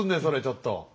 それちょっと。